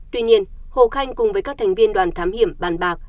tuy nhiên hồ khanh cùng với các thành viên đoàn thám hiểm bàn bạc